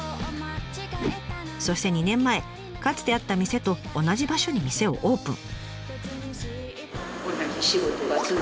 そして２年前かつてあった店と同じ場所に店をオープン。